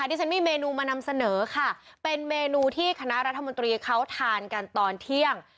ที่ฉันมีเมนูมานำเสนอค่ะเป็นเมนูที่คณะรัฐมนตรีเขาทานกันตอนเที่ยง